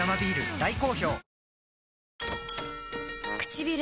大好評